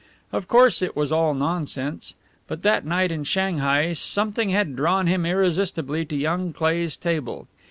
Of course it was all nonsense. But that night in Shanghai something had drawn him irresistibly to young Cleigh's table.